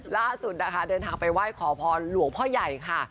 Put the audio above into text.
ล่าสุดนะคะเดินทางไปไหว้ขอพรหลวงพ่อใหญ่ค่ะ